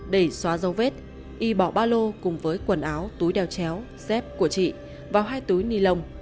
để xóa dấu vết y bỏ ba lô cùng với quần áo túi đeo chéo dép của chị vào hai túi ni lông